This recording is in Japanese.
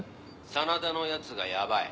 真田のやつがヤバい。